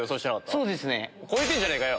そうですね。